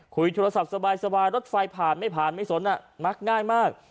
คุยโทรศัพท์สบายรถไฟผ่านไม่ผ่านไม่สนมักง่ายมาก